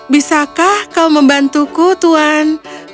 bisakah kau membantuku tuhan